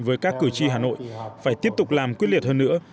với các cử tri hà nội phải tiếp tục làm quyết liệt hơn nữa